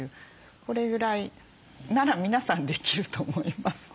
これぐらいなら皆さんできると思います。